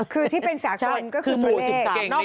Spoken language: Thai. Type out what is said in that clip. คือที่เป็นสาขนก็คือตัวเลข